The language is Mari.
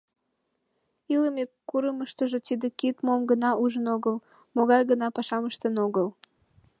Илыме курымыштыжо тиде кид мом гына ужын огыл, могай гына пашам ыштен огыл?